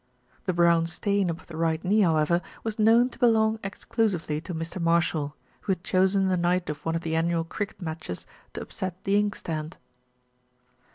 The brown stain above the right knee, however, was known to belong exclusively to Mr. Marshall, who had chosen the night of one of the annual cricket matches to upset the inkstand.